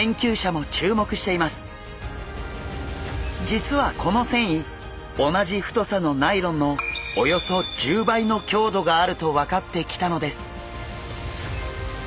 実はこの繊維同じ太さのナイロンのおよそ１０倍の強度があると分かってきたのです。